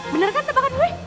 bener kan tepakan gue